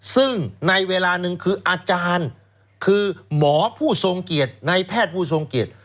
ซึ่งในเวลาหนึ่งคืออาจารย์คือหมอผู้ทรงเกียรติในแพทย์ผู้ทรงเกียจ